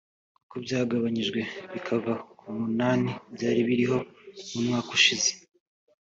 kuko byagabanyijwe bikava ku munani byari biriho mu mwaka ushize